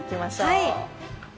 はい。